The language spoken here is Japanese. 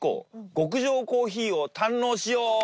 極上コーヒーを堪能しよう。